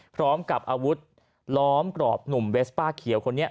พร้อมกับอาวุธล้อมกรอบหนุ่มเวสป้าเขียวคนนี้